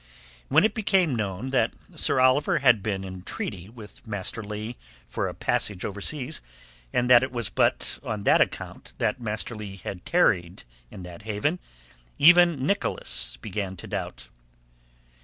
When it became known that Sir Oliver had been in treaty with Master Leigh for a passage overseas, and that it was but on that account that Master Leigh had tarried in that haven, even Nicholas began to doubt.